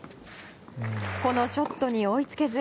このショットに追いつけず。